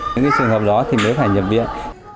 những trường hợp đó thì mới phải nhập viện